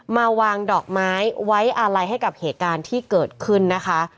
มาวางดอกไม้ไว้อาลัยให้กับเหตุการณ์ที่เกิดขึ้นนะคะ